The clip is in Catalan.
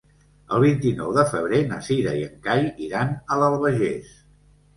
El vint-i-nou de febrer na Cira i en Cai iran a l'Albagés.